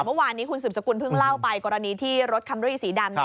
เมื่อวานนี้คุณสืบสกุลเพิ่งเล่าไปกรณีที่รถคัมรี่สีดำ